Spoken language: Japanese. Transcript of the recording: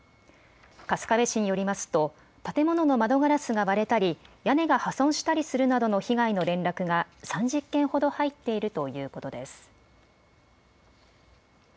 春日部市によりますと建物の窓ガラスが割れたり屋根が破損したりするなどの被害の連絡が３０件ほど入っているということです。